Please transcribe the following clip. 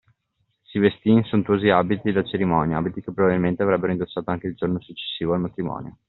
Si vestì in sontuosi abiti da cerimonia, abiti che probabilmente avrebbe indossato anche il giorno successivo al matrimonio.